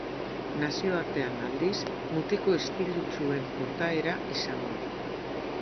Nazioartean, aldiz, mutiko istilutsuen portaera izan du.